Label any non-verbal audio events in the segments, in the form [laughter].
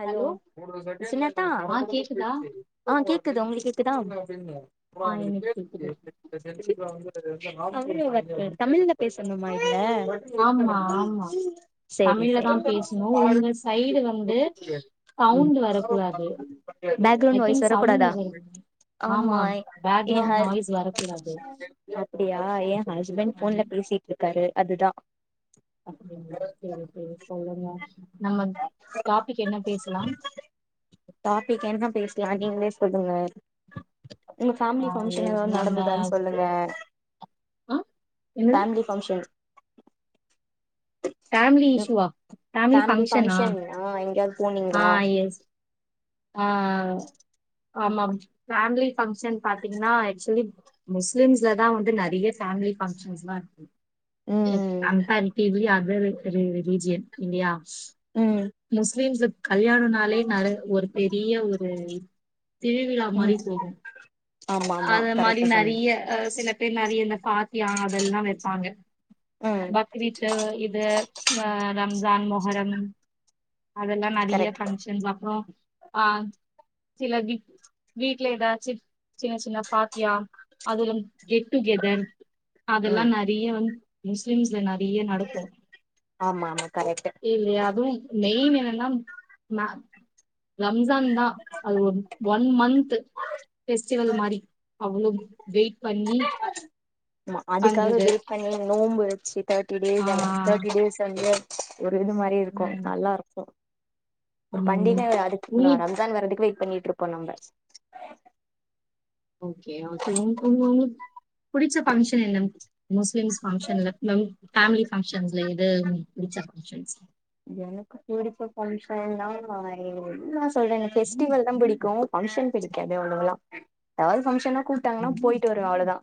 Hello சின்னத்தா ஆ கேக்குதா ஆஹ் கேக்குது உங்களுக்கு கேக்குதா ஆ எனக்கு கேக்குதா கேக்குது [unintelligible] [unintelligible] தமிழ்ல பேசணுமா இதுல ஆமா ஆமா சேரி தமிழ்லதா சேரி பேசணும் உங்க சைடு வந்து சவுண்ட் வரக்கூடாது I background voice think sound வரக்கூடாதா வருது ஆமா ஏ பேக்ரவுண்ட் ஹஸ் நாய்ஸ் வரக்கூடாது ஓ அப்டியா ஏ ஹஸ்பண்ட் ஆமா ஃபோன்ல பேசிட்டுறுக் காரு அதுதா அப்டிங்களா சேரி சேரி சொல்லுங்க நம்ம டாப்பிக் டாப்பிக் என்ன பேச லானு நீங்களே சொல்லுங்க உங்க ஃபேமிலி ஆ ஃபங்க்ஷன் எஸ் ஏதாது நம்ம நடந்துதான்னு சொல்லுங்க ஆ என்னது ஃபேமிலி ஃபங்க்ஷன் ஃபேமிலி இஸ்யூவா ஃபேமிலி ஃபங்க்ஷன்னா போனீங்ளா ஆஹ் ஆஹ் ஆஹ் ஆமா ஃபேமிலி ஃபங்க்ஷன் பாத்தீங்கன்னா ஆக்சுவலி முஸ்லிம்ஸ்லதா வந்து நெறைய ஃபேமிலி ஃபங்க்ஷன்ஸ்லா இருக்கும் ம் [unintelligible] வேற ரிலீஜியன் இல்லியா ம் முஸ்லிம்ஸ்ல கல்யாணன்னாலே நெறைய ஒரு யே ஒரு திருவிழா ம் மாரி போகும் ஆமா ஆமா அது மாரி கரெக்டா சொன்னீங்க நெறைய ஆ சில பேர் நெறைய இந்த ஃபாத்தியா அதெல்லாம் வெப்பாங்க ம் பக்ரீத்து இது ஆ ரம் ஜான் மொஹரம் அதெல்லா நெறைய கரெக்ட் ஃபங்க்ஷன்ஸ் அப்புறம் ஆ சில வீட் வீட்ல ஏதாச்சு சின்ன சின்ன ஃபாத்தியா அதுல கெட் டூ கெதர் ம் அதெல்லாம் நெறைய வந் முஸ்லிம்ஸ்ல என்ன அப்டியே நடக்கும் ஆமா ஆமா கரெக்ட் இல்லையா அதுவும் மெயின் என்னென்னா நா ரம்ஜான்தா அது ஒரு ஒன் மந்த்து ஃபெஸ்டிவல் மாரி அவ்ளவு வெயிட் பண்ணி ஆமா அதுக்காக பண்றது வெயிட் பண்ணி நோம்பு வச்சுட் தேர்ட்டி ஆ டேஸ் தேர்ட்டி டேஸ் வந்து ஒரு இது மாதிரி இருக்கு நல்லா இருக்கு ஒரு ம் பண்டிக அதுக்கு நா உங்களுக்கு ரம்ஜான் வர்றதுக்கு வெயிட் பண்ணிட்டு இருப்போ நம்ம ஓகே ஓகே உ உ உங்களுக்கு புடிச்ச ஃபங்ஷன் என்ன முஸ் லிம்ஸ் ஃபங்ஷன்ஸ்ல ப்ளம் பேமிலி ஃபங்ஷன்ஸ்ல எது உம் புடிச்ச ஃபங்ஷன்ஸ்ல எனக்கு புடிச்ச ஃபங்ஷன்னா இதா சொல்றேன்ல ஃபெஸ்டிவல் தா பிடிக்கு ஃபங்ஷன் பிடிக்காது அவ்ளோவா எதாவது ஃபங்ஷன்னா கூப்டாங்கன்னா போயிட்டு வருவே அவ்ளோதா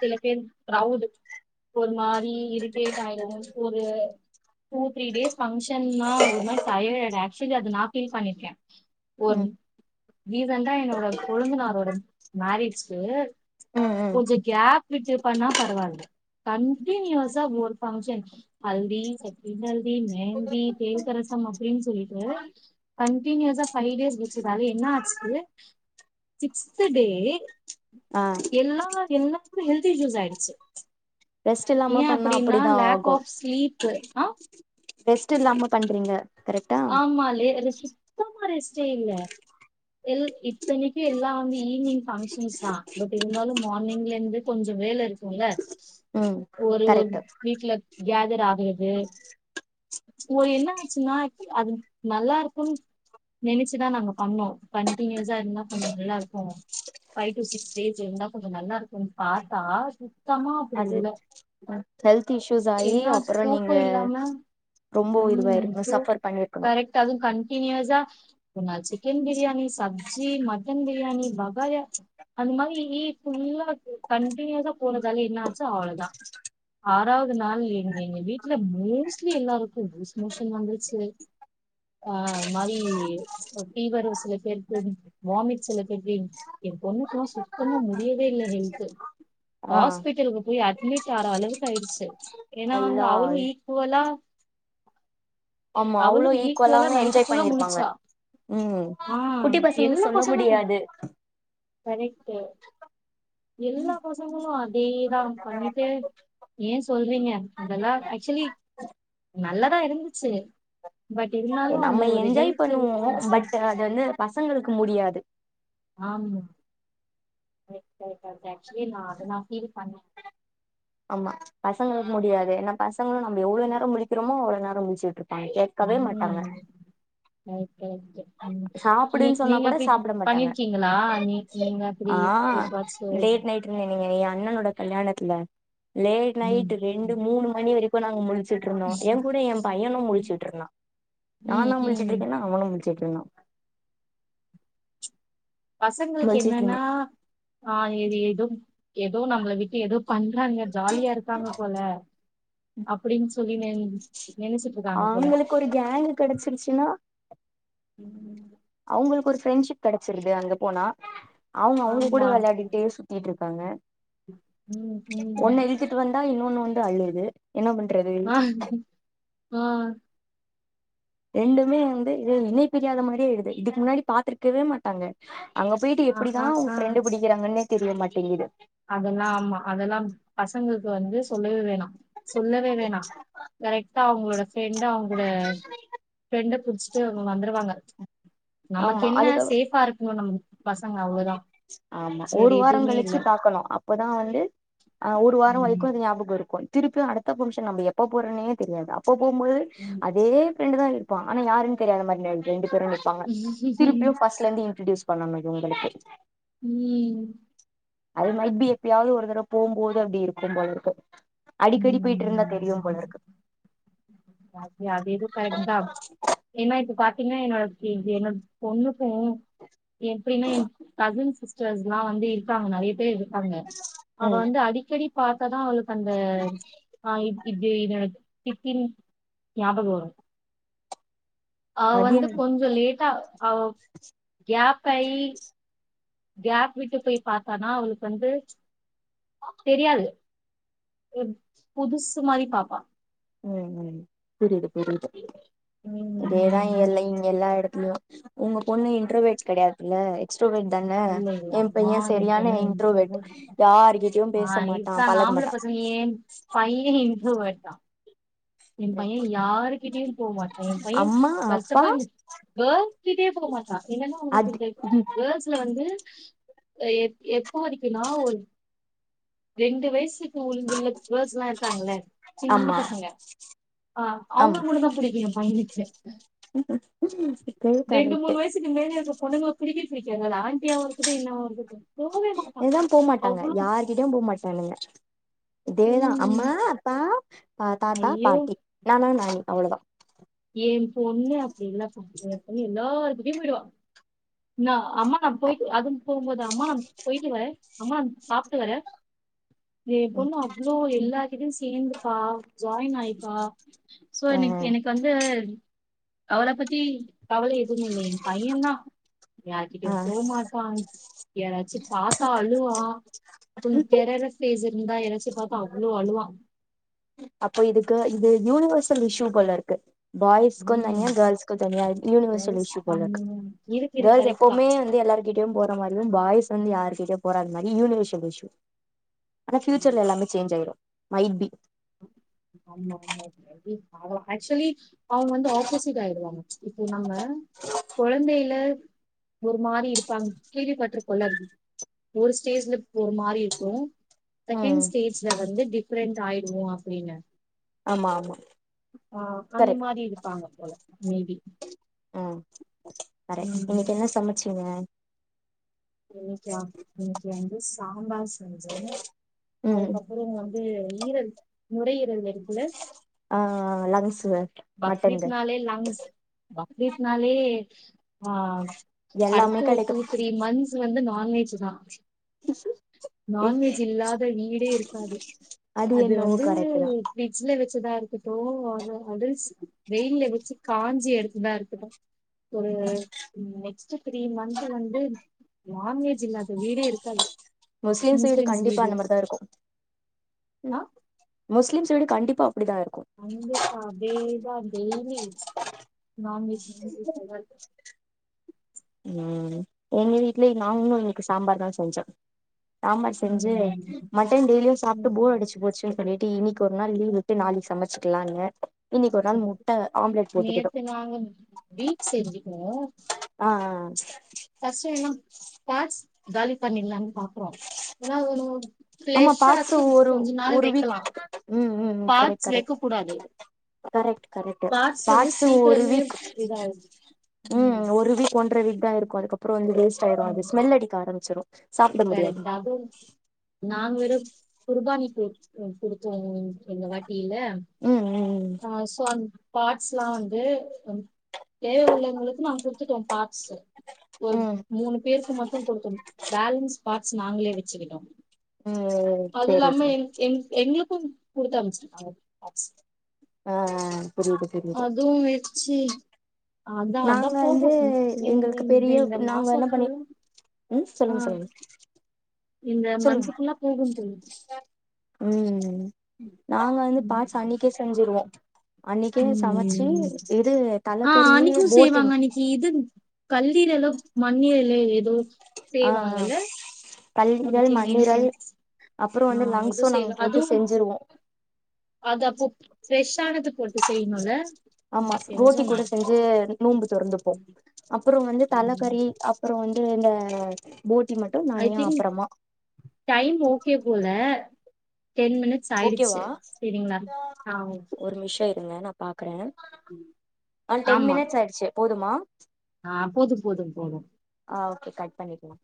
சில பேர் ரௌடு போதுமா ப்படி இரிட்டேட் ஆயிடு ஒரு டூ த்ரீ டேஸ் ஃபங்ஷன்னா ஒரு மாரி டயர்டு ஆக்சுவலி அது நா ஃபீல் பண்ணிருக்கே ம் ஒரு ரீசன்டா என்னோட கொழுந்தனாரோட மேரேஜ் சேரி ம் ம் கொஞ்சோ கேப் விட்டு பண்ணா பரவால்ல கன்டினியூஸா ஒரு ஃபங்ஷன் ஹல்தி செட்டினல் தி மெஹந்தி தேல்க்கரசம் அப்டினு சொல்லிட்டு கன்டினியூஸா ஃபைவ் டேஸ் வெச்சதால என்ன ஆச்சு சிக்ஸ்த்து டே ஆ எல்லா எல்லாருக்கு ஹெல்த் இஷ்யூஸ் ஆயிடுச்சு ரெஸ்ட் ஏ இல்லாம பண்ணா அப்டின்னா அப்டிதா லேக் ஆகோ ஆஃப் ஸ்லீப்பு ஆ ரெஸ்ட் இல்லாம பண்றீங்க கரெக்டா ஆமாலே ரெஸ்டு சுத்தமா ரெஸ்டே இல்ல எல் இத்தன்னிக்கு எல்லாமே ஈவ்னிங் ஃபங்க்ஷன்ஸ் தா பட் இருந்தாலு மார்னிங்ல இருந்து கொஞ்சோ வேல இருக்கோல ம் ஒரு ஒரு கரெக்ட் வீட்ல கேதர் ஆகுற து ஒரு என்ன ஆச்சுன்னா அது நல்லா இருக்கோனு நெனச்சுதா நாங்க பண்ணோ கண்டினியூஸா இருந்தா கொஞ்சோ நல்லா இருக்கோ ஃபைவ் டு சிக்ஸ் டேஸ் இருந்தா கொஞ்சோ நல்லா இருக்கோனு பாத்தா சு அது ம் ஹெல்த் இஷ் என்னாச்சு தூக்கோ இல்லாம ரொம்ப ம் இதுவாயிருக்கணு தூக் சஃபர் பண்ணிருக்கணு கரெக்ட் அதுவு கண்டீனியுஸ்ஸா ஒரு நாள் சிக்கன் பிரியாணி சப்ஜி மட்டன் பிரியாணி வகாய அந்த மாரி ஃபுல்லா கண்டினியஸா போனதால என்னாச்சா அவ்ளோ தா ஆ றாவது நாள் எங்க எங்க வீட்ல மோஸ்ட்லி எல்லாருக்கோ லூஸ் மோஷன் வந்துருச்சு அ மாதி ஃபீவரு சில பேருக்கு வாமிட் சில பேருக்கு எ பொண்ணுக்குலா சுத்தமா முடியவே இல்ல ஹெல்து ஆ ஹாஸ்பிட்டலுக்கு போய் அட் மிட் ஆகுற அளவுக் கு ஆயிடுச்சு ஏனா அங்க அல்லா அவரோ ஈக்குவலா ஆமா அவளு அவ்ளோ ஈக்குவலா நைட்டு என்ஜாய் ஃபுல்லா பண்ணிருப்பாங்க முழிச்சா ம் ஆ குட்டி பசங்குளுக்கு எல்லா சொல்ல பசங்களு முடியாது கரெக்ட் எல்லா பசங்களும் அதேதா பண்ணிட்டு ஏன் சொல்றீங்க அதல்லா ஆச்சுவலி நல்லாதா இருந்துச்சு பட் இருந்தாலு அந்த நம்ம ஒரு என்ஜாய் ஹெல்த் பண்ணுவோ கன்சர்ன் பட் அது வந்து பசங்குளுக்கு முடியாது ஆமா [unintelligible] ஆச்சுவலி அத நா ஃபீல் பண்ண ஆமா பசங்களுக்கு முடியாது ஏனா பசங்கங்களும் நம் எவ்ளோ நேரோ முழிக்கிறமோ அவ்வளோ நேரோ முடிச்சுட்டு பா கேட்கவே மாட்டாங்க கரக்ட்டு நீ சாப்புடுன்னு சொன்னா நீங்க கூட அப்டி சாப்ட மாட்டாங்க பண்ணிருக்கீங்களா நீ நீங்க அப்டி ஆ எப்பவாச்சு லேட் நைட் நீங்க எ அண்ணனோட கல்யாணத்துல லேட் நைட் ம் ரெண்டு மூணு மணி வரைக்கோ நாங்க முழிச்சுட்டு இருந்தோ ம் என் கூட என் பையனோ முடிச்சுட்டுருந்தா நாந்தா முழிச்சுட்டு ம் இருக்கேனா அவனோ முழிச் கேகில்னா பசங்குளுக் என்னெனா ஆ இது ஏதோம் ஏதோ நம்பள விட்டு ஏதோப் பண் றாங்கே ஜாலியா இர்க்காங்கே போலே அப்பிடின் அவுங்குளுக் ஒரு கேங்கூ கெடச்சிரிச்சினா ம் உங்குளுக் ஒரு ஃப்ரெண்ட்ஷிப் கெடர்ச்சிர்து அங்கே போனா அவுங்கே அவுங்கே கூட ஆமா வெளாடிகிட்டே சுத்தீக்கிட் காங்கே ம் ம் ஒண்ணே இழ்த்திட் வந்தா இன்னோனூ ஃப்ண்டோ அழுது என்ன பண்றது ஆ ரெண்டுமே வந்து இது இணைப்பிரியாத மாரியே இகுது இதுக் முன்னாடி பாத்திர்க்கவே மாட்டாங்கே அங்கே போயிட்டு ஆ எப்பிடிதா ஆ அவுகே ஃப்ரெண்ட்டு புடிக்கிறாங்கன்னே தெரியே மாட்டீங்குது அதல்லா ஆமா அதெல்லா பசங்குள்க்கு வந்து சொல்லவே வேணா சொல்லவே வேணா கரெக்டாவு உங்ளோட ஃப்ரெண்ட் அவுங்குள ஃப்ரெண்ட புடிச் சே அவுங்க வந்துருவாங்க நமக்கு ஆமா என்ன அதுக்கப் சேஃபா இருக்கனு நமுக்கு பசங்க அவ்ளோதா ஆமா வேற் ஒரு வாரோ எதுவ்மே கழிச்சு இல்ல பாக்கணு அப்பதா வந்து அ ஒரு வாரொ ம் வரிக்கு அது ஞாபுகொ இருக்கு திருப்பியு அடுத்த பொம்ஷ நம்ப எப்ப போறன்னே தெரியாதாப் ப்ப போம்மோது ம் அதே ஃப்ரெண்டுதா இர்ப்பா அனா யாருன் தெரியாத மாறி நின்ட் ரெண்டு திரும்பிப்பாங்க திருப்பியு ஃபஸ்லேந்து இன்டிடியூஸ் பண்ணனு இது ஒங்களுக்கு ம் அது மைஃபி எப்பியாவ்து ஒரு தடவ் போம்போது அப்டி இருக்கும்போலருக்கு அடிக்கடி பொயிட்ருந்தா தெரியு ம் போலருக்கு [unintelligible] அது ஏதோ கரெக்ட் தா ஏனா இப்ப பாத் தின்னா என்னோட டீம் என்னோட பொண்ணு ம் எப்டின்னா எங் கசின்ஸ் சிஸ்டர்ஸ்லா வந்து இருக்காங்க நறைய பேர் இருக்காங்க அவ ம் வந்து அடிக்கடி பாக்கதா அவளுக்கு அந்த ஆ இப் இப்டி இத வச் சித்தின் ஞாபக வரூ அவ அது வந்து என் கொஞ்சோ லேட்டா அவப் கேப் கை கேப் விட்டு போய் பாத்தாதா அவுளுக்கு வந்து தெரியாது புதுசு மாரி பாப்பா ம் ம் புரிது புரிது அதேதா ம் எல்லை இங்க எல்லா எடத்துலயு உங்க பொண்ணு இன்ட்ரவேட் கெடயாதுல்ல எக்ஸ் ட்ராவேட் தான இல்ல இல்ல எ அம்மா பைய என் சரியான பொண்ணு இன்ட்ரோவெட் இன்ட்ரோவட் யாரு கிட்டயு ஆ பேச மாட்டா இருக்காங்க பழக ஆம்பள மாட்டா தா எம் பைய யாருகிட்டியு போ மாட்டா எ பைய அம்மா ஃபர்ஸ்ட் அஃப் அப்பா ஆல் கேர்ள்ஸ் கிட்டயே போ மாட்டா என்னன்னா அது அவுனுக்கிந்த கேர்ள்ஸ்ல வந்து எப் எப்ப வரிக்குனா ஒரு ரெண்டு வயிசு ஸ்கூல் உள்ள கேள்ஸ்ல்லா இருக்காங்கல்ல சின்ன ஆமா பசங்க ஆ அவுங்கள ஆமா மட்டுந்தா புடிக்கு ஏ பையனுக்கு ரெண்டு கரெக்ட் மூணு வயசுக்கு மேலேருக்க பொண்ணுங்கள பிடிக்கே பிடிக்காது அது ஆண்ட்டியாவு இருக்கட்டு என்னாவா இருக்கட் எதா போமாட்டாங்க யாருகிட்டயு போ மாட்டாளுங்க இதேதா உம் அம்மா அப்பா ஆ தாத்தா ஐயோ பாட்டி நானா நானி அவ்வளதா என் பொண்ணு முடியு போய்டுவா, நா அம்மா நா போயிட்டு அதுவும் போம்போது அம்மா போயிட்டு வரே அம்மா சாப்ட்டு வரே ஏ பொண்ணு அவ்ளோ எல்லார்க்கிட்டையு சேந்துப்பா ஜாயின் ஆயிப்பா சோ ஆ எனக்கு எனக் சேரி, அவள பத்தி கவலை எதும் இல்லை ஏ பையந்தா ஆ யார்கிட்டயு போமாட்டா யாராச்சு பாத்தா அழு வா கொஞ் டெரரஸ் ஸ்பேஸ் உ தா இறைச்சி பார்த்தா அவ்வளோ அழுவா அப்போ இதுக்கு இது யூனிவர்சல் இஷ்யூ போல இருக்கு பாய்ஸ்க்கு ஆமா, தனியா கேர்ள்ஸ்கு தனியா யூனிவர்சல் இஷ்யூ போல பண்ணு. இருக்கு இருக்கு இருக்கு கேர்ள்ஸ் கரெக்ட் தான் எப்பவுமே வந்து எல்லாருட்ட போற மாதிரி பாய்ஸ் வந்து யாருக்கிட்டய போறாத மாதிரி யூனிவர்சல் இஷ்யு ஆனா ஆமா, ஃபியூச்சர்ல எல்லாமே சேஞ் ஆயிடும் மைட்பி [unintelligible] ஆக்சுவலி அவங்க வந்து ஆப்போசிட் ஆயிடுவாங்க இப்போ நம்ம குழந்தைல ஒரு மாதிரி இருப்பாங்க கேள்விபட்ருப்போல ஒரு ஸ்டேஜ்ல ஒரு மாதிரி இருக்கும் செகண்ட் ம் ஸ்டேஜ்ல வந்து டிஃபரன்ட் வும் அப்படின்னு ஆமா ஆமா ஆஹ் அந்த கரெக்ட் மாதிரி இருப்பாங்க போல மீதி உம் கரெக்ட் இன்னைக்கு என்ன சமைச்சுங்க இன்னைக்கு இன்னைக்கு வந்து சாம்பார் செஞ்சேன் ம் அதுக்கப்புறம் இங்க அது ஈரல் நுரை ஈரல் ஆஹ் லங்க்ஸ் பக்ரித் நால லங்கஸ் பகரித்னாலே ஆஹ் எல்லாமே அடுத்து ஒரு கெடைக்கு டூ த்ரீ மந்த்ஸ் வந்து நான்வெஜ் ஆஹ் ஏ நான்வெஜ் இல்லாத வீடே இருக்காது. அது என்னவோ வந்து கரெக்ட் தா பிரிட்ஜ்ல வெச்சி வெச்சதா இருக்கட்டு வாங்க அது வெயில்ல வச்சி காஞ்சி எடுத்ததா இருக்கட்டு ஒரு நெக்ஸ்ட் த்ரீ மன்த் வந்து நான்வெஜ் இல்லாத வீடே இருக்காது. முஸ்லிம்ஸ் வீடு கண்டிப்பா அந்த மாதிரி தா இருக்கு வீடு கண்டிப்பா அப்டிதா இருக்கு அங்கக்கா அதேதா டெய்லி நான்வெஜ் வந்து சூப்பரா இருக்கும் உம் ஒங்க வீட் ல்லங் ம் நாங்களு இன்னக்கி சாம்பார் தா வெச்சிருக் கொஞ்சொ சாம்பார் செஞ்சு ம் மட்டன் டெய்லியும் சாப்ட் போர் ம். அடிச்சி போச்சுன் சொல்லிட் இன்னிக்கி ஒரு நாள் லீவ் விட்டு நாளக்கி சமைச்சிக்கலான்னு நேத்து நாங்க வீட் செஞ்சிட்டோ அ அ அ ஃபஸ்ட்டு என்னா பார்ஸ் காலி பண்ணிட்லான்னு பாக்குறோ ஏன்னா ஒரு ஒரு நம்ம பாட்ஸ ஒரு ஒரு வீக் வைக்கலா ம் ம் ம் கரைக் பார்ட்ஸ் கரைக் வைக்க கூடாது கரைட் கரைக்டு பார்ட்ஸ் வந்து பாட்ஸு ஒரு சீக்கிரமே வீக் இதாகும் ம் ஒருவ் வீக் ஒன்ற வீக் தா இருக்கு அதுக்கப்பற வந்து வேஸ்ட் ஆயிரு ம் அது ஸ்மெல் அடிக்க ஆரம்பிச்சிரு வேற எங்ட்டாவ்து நாங் வெரு குர்பானி போய் குடுத்து வாங்குங்க இந்த வாட் கீழ ம் ம் ஆ சுவாமி பார்ட்ஸ்லா வந்து தேவை உள்ளவங்ளுக்கு நா குடுத்துட்டே பா சேர் ஒரு ம் மூணு பேருக்கு மட்டு குடுத்துர்ணு பேலன்ஸ் ஸ்பார்ட்ஸ் நாங்ளே வெச்சிக்கிட்டோ ம் சரி அதுல்லாம சார் எங் எங் எங்ளுக் குந் குடுத்து அனுப்பிச்சிருப்பா பார்ட்ஸ் அ அ அ அதுவு வெச்சி அதா அதா நாங்க போகு வந்து இந் எங்களுக்கு இந் பெரிய இந்த மாச நாங்க என்ன பண்ணி ஃபுல்லு ம் சொல்லுங் சொல்லுங்க இந்த சொல்லுங்க மந்த்துக்குல்லா போகுன் சொல்லிட் ம் ம் நாங்க வந்து பார்ட்ஸ் ம் அன்னக்கே செஞ்சிருவோ அன்னக்கே சமச்சு ம் இது ஆ தலக்கறி அன்னைக்கு போட்டி தீரலோ மண்ணீரல்லே ஏதோ ஆ செய்வாங்கல கல்லீரல் சம்திங் இன் மண்ணீரல் ஃபின்ச் அப்புறோ அ வந்து எது லங்ஸு நாங்க செய்ல அது போட்டு செஞ்சிருவோ அதப்போ ஃ ப்ரெஷ்ஷா ஆமா ரோட்டி செஞ்சோ நா கூட செஞ்சு நோன்ம்பு தொறந்துப்போ புறு வந்து ம் தலக்கறி அப்றோ வந்து ஏன ஐ திங் டைம் ஓகே போல டென் மினிட்ஸ் ஓகேவா ஆயிடுச்சு சரிங்களா ஆ ஒரு மிஷோ இருங்க நா பாக்குறே அ டென் மினிட்ஸ் ஆயிடுச்சு போதுமா ஆஹ போதும் போதும் போதும் ஆ ஓகே கட் பண்ணிக்கலா